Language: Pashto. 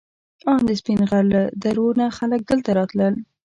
ان د سپین غر له درو نه خلک دلته راتلل.